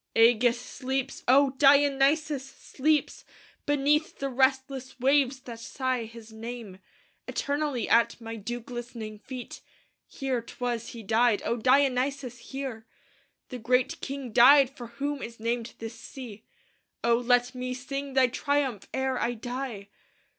"Ægeus sleeps, O Dionysos! sleeps Beneath the restless waves that sigh his name Eternally at my dew glistening feet. Here 'twas he died, O Dionysos! here The great king died for whom is named this sea. O let me sing thy triumph ere I die!